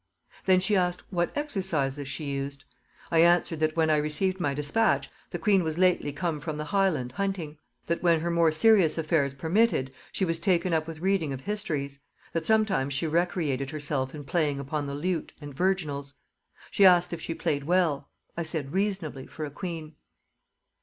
Then she asked, what exercises she used? I answered, that when I received my dispatch, the queen was lately come from the Highland hunting. That when her more serious affairs permitted, she was taken up with reading of histories: that sometimes she recreated herself in playing upon the lute and virginals. She asked if she played well? I said reasonably, for a queen."